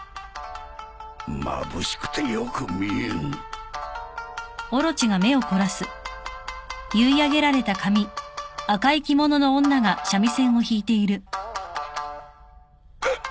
まぶしくてよく見えんへっ！？